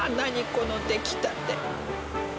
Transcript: この出来たて。